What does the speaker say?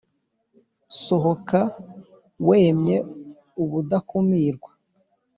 sohoka wemye ubudakumirwa